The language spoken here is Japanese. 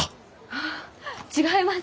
あっ違います！